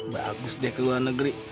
bagus deh ke luar negeri